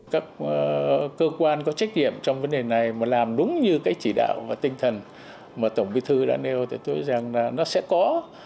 các cơ quan có trách nhiệm trong vấn đề này mà làm đúng như cái chỉ đạo và tinh thần mà tổng bí thư đã nêu thì tôi nghĩ rằng là nó sẽ có